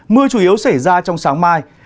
mưa chủ yếu xảy ra trong sáng mai